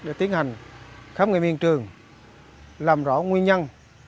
để tiến hành khám nghiệm hiện trường làm rõ nguyên nhân